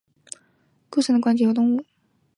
环节动物和节肢动物共同构成关节动物。